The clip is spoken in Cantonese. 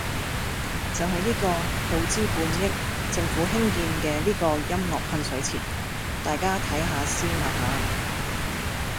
就係呢個耗資半億，政府興建嘅呢個音樂噴水池，大家睇吓先啊吓